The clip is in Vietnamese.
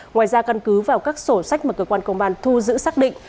ngoài ra căn cứ vào các sổ sách mà cơ quan công an thu giữ xác định